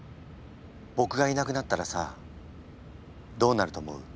僕がいなくなったらさどうなると思う？